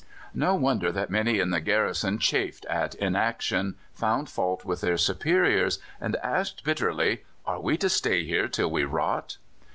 No wonder that many in the garrison chafed at inaction, found fault with their superiors, and asked bitterly: "Are we to stay here till we rot?"